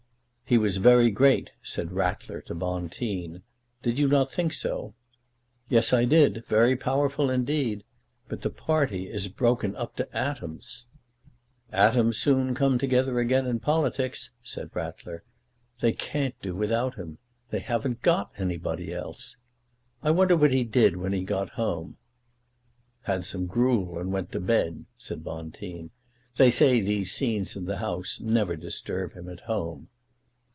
"He was very great," said Ratler to Bonteen. "Did you not think so?" "Yes, I did, very powerful indeed. But the party is broken up to atoms." "Atoms soon come together again in politics," said Ratler. "They can't do without him. They haven't got anybody else. I wonder what he did when he got home." "Had some gruel and went to bed," said Bonteen. "They say these scenes in the House never disturb him at home."